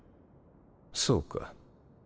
そうか。